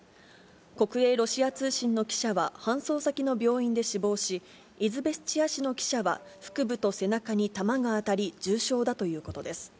国営ロシア通信の記者は搬送先の病院で死亡し、イズベスチア紙の記者は腹部と背中に弾が当たり、重傷だということです。